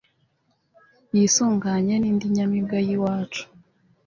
yisunganye n'indi nyamibwa y'iwacu